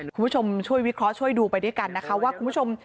คุณผู้ชมช่วยวิเคราะห์ช่วยดูไปด้วยกันนะคะว่าคุณผู้ชม